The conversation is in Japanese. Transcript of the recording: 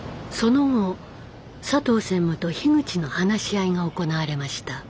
その後佐藤専務と樋口の話し合いが行われました。